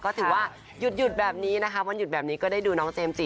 ก็ถือว่าหยุดแบบนี้นะคะวันหยุดแบบนี้ก็ได้ดูน้องเจมส์จิ